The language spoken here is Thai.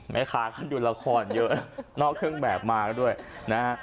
แม่ค้าเขาดูละครเยอะนอกเครื่องแบบมาก็ด้วยนะฮะ